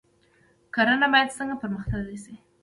کرنه باید څنګه پرمختللې شي؟